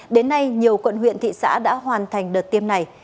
đến nay nhiều quận huyện thị xã đã hoàn thành đợt tiêm này